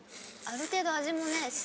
ある程度味もね